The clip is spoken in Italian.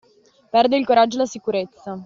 Perde il coraggio e la sicurezza.